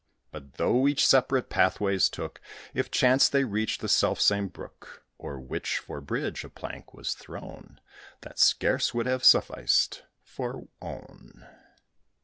But though each separate pathways took, It chanced they reached the self same brook, O'er which, for bridge, a plank was thrown, That scarce would have sufficed for one.